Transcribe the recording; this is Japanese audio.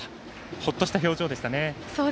ほっとした表情でしたね。